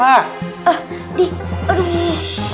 ah di aduh